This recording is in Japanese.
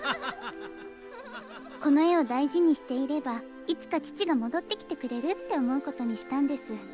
この絵を大事にしていればいつか父が戻ってきてくれるって思うことにしたんです。